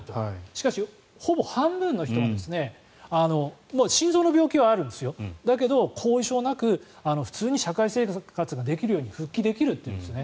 しかし、ほぼ半分の人がもう心臓の病気はあるんですよだけど、後遺症なく普通に社会生活ができるように復帰できるというんです。